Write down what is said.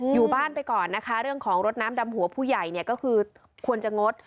อยู่บ้านไปก่อนนะคะเรื่องของรถน้ำดำหัวผู้ใหญ่เนี่ยก็คือควรจะงด